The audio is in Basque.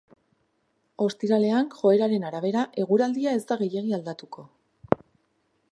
Ostiralean, joeraren arabera, eguraldia ez da gehiegi aldatuko.